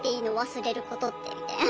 忘れることってみたいな。